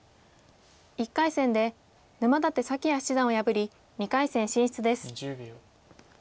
１回戦で沼舘沙輝哉七段を破り２回戦進出です。